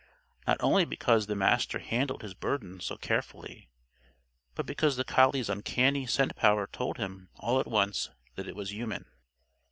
Not only because the Master handled his burden so carefully, but because the collie's uncanny scent power told him all at once that it was human.